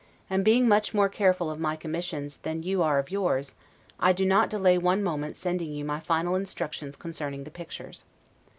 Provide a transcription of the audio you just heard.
and being much more careful of my commissions than you are of yours, I do not delay one moment sending you my final instructions concerning the pictures.